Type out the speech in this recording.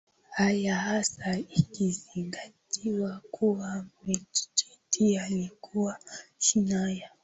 haya Hasa ikizingatiwa kuwa Meskheti alikuwa chini ya